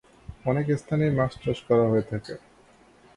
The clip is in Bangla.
অনেক স্থানেই মাছ চাষ করা হয়ে থাকে।